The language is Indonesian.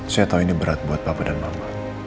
saya tahu ini berat buat bapak dan mama